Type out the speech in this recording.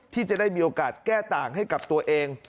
ที่จะได้มีโอกาสแก้ต่างให้กับตัวเอง